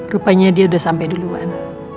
rupanya dia udah sampai duluan